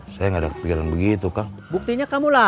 saya ngga ada kepikiran begitu kan